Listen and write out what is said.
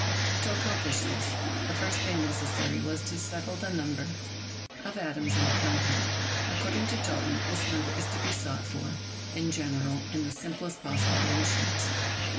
To accomplish this the first thing necessary was to set tle the number of atoms in a compound. According to Dalton, this number is to be sought for, in general, in the simplest possible ratios.